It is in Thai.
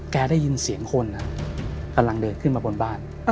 ได้ยินเสียงคนกำลังเดินขึ้นมาบนบ้าน